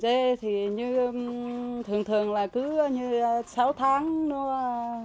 dê thì như thường thường là cứ như sáu tháng nữa